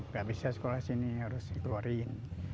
gak bisa sekolah sini harus dikeluarin